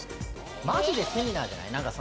マジでセミナーじゃない？